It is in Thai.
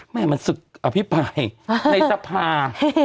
แม่มันศึกอภิปรายในสภา